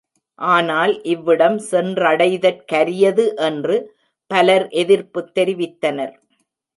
ஆனால் இவ்விடம் சென்றடைதற்கரியது என்று பலர் எதிர்ப்புத் தெரிவித்தனர்.